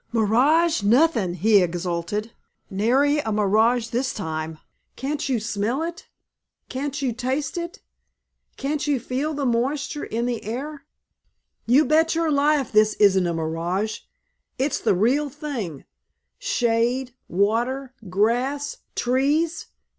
"Mirage nothin'!" he exulted, "nary a mirage this time! Can't you smell it? Can't you taste it? Can't you feel the moisture in the air? You bet your life this isn't a mirage, it's the real thing, shade, water, grass, trees!